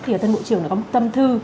thì tân bộ trưởng đã có một tâm thư